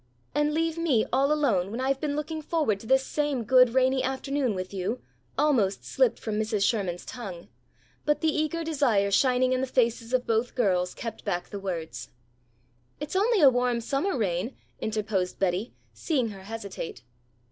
"And leave me all alone, when I've been looking forward to this same good, rainy afternoon with you," almost slipped from Mrs. Sherman's tongue. But the eager desire shining in the faces of both girls kept back the words. "It's only a warm summer rain," interposed Betty, seeing her hesitate.